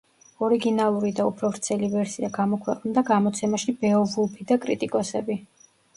ორიგინალური და უფრო ვრცელი ვერსია გამოქვეყნდა გამოცემაში „ბეოვულფი და კრიტიკოსები“.